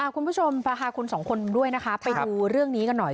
คุณผู้ชมพาคุณสองคนด้วยนะคะไปดูเรื่องนี้กันหน่อย